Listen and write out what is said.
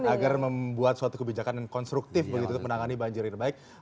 agar membuat suatu kebijakan yang konstruktif begitu untuk menangani banjir ini baik